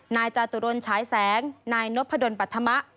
นายจาตุรนฉายแสงนายนพดลปัธมะ